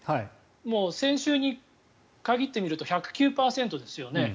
もう先週に限って見ると１０９％ですよね。